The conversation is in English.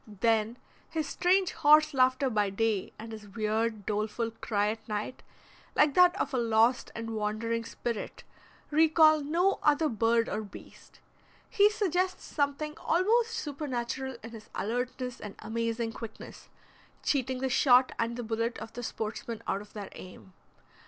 Then his strange horse laughter by day and his weird, doleful cry at night, like that of a lost and wandering spirit, recall no other bird or beast. He suggests something almost supernatural in his alertness and amazing quickness, cheating the shot and the bullet of the sportsman out of their aim.